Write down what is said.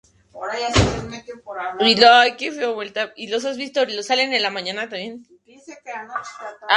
Seguidamente, trabajó en tiendas, supermercados, almacenes y restaurantes.